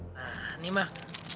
nah nih mah